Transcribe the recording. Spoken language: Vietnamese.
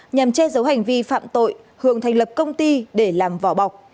nhằm che giấu hành vi phạm tội hường thành lập công ty để làm vỏ bọc